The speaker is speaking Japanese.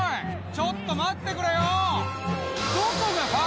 ちょっと待ってくれよ！」